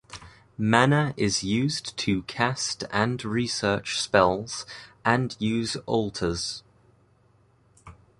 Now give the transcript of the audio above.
Mana is used to cast and research spells and use altars.